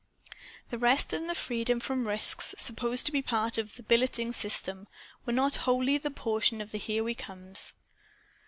The rest and the freedom from risks, supposed to be a part of the "billeting" system, were not wholly the portion of the "Here We Comes."